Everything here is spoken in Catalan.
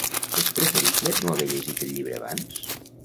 És preferible no haver llegit el llibre abans.